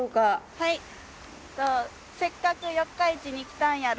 はい「せっかく四日市にきたんやで」